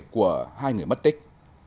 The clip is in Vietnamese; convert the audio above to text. của hai người mất tích